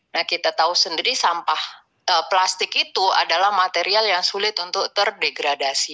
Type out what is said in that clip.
nah kita tahu sendiri sampah plastik itu adalah material yang sulit untuk terdegradasi